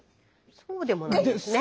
そうでもないですね。